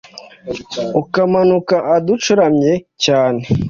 ukamanuka ahadacuramye cyane